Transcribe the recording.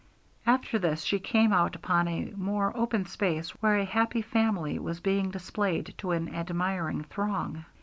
After this she came out upon a more open space, where a Happy Family was being displayed to an admiring throng.